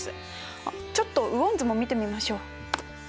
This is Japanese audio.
あっちょっと雨温図も見てみましょう。